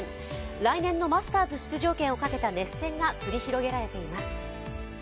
来年のマスターズ出場権をかけた熱戦が繰り広げられています。